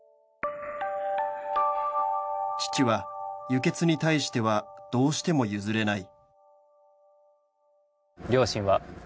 「父は輸血に対してはどうしても譲れない」